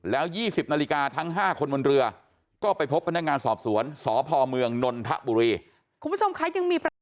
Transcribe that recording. แล้วยี่สิบนาฬิกาทั้งห้าคนบนเรือก็ไปพบกับนักงานสอบสวนสพเมืองนนทะบุรี